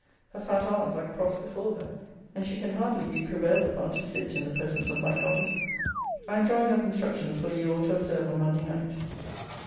Her fat arms are crossed before her; and she can hardly be prevailed upon to sit in the presence of my goddess. I am drawing up instructions for ye all to observe on Monday night.